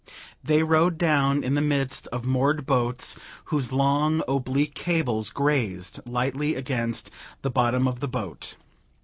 They rowed down in the midst of moored boats, whose long oblique cables grazed lightly against the bottom of the boat.